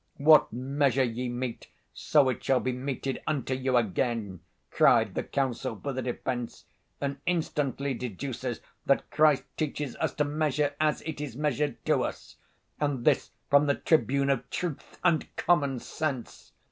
'What measure ye mete so it shall be meted unto you again,' cried the counsel for the defense, and instantly deduces that Christ teaches us to measure as it is measured to us—and this from the tribune of truth and sound sense!